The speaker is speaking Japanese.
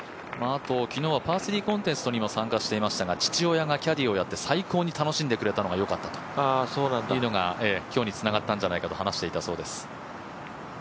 昨日はパー３コンテストに参加していましたが父親がキャディーをやって最高に楽しんでくれたのが良かったと今日につながったんじゃないかと話していたそうです。